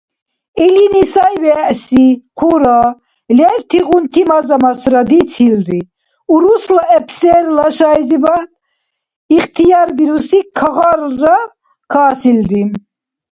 Илини сай-вегӀси хъура, лертигъунти маза-масра дицилри, урусла эпсерла шайзибад ихтиярбируси кагъарра касилри.